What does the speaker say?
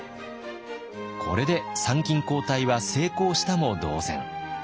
これで参勤交代は成功したも同然。